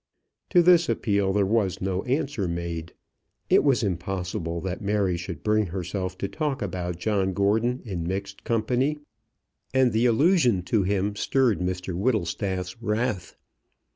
To this appeal there was no answer made. It was impossible that Mary should bring herself to talk about John Gordon in mixed company. And the allusion to him stirred Mr Whittlestaff's wrath.